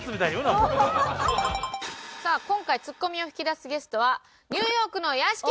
さあ今回ツッコミを引き出すゲストはニューヨークの屋敷君です。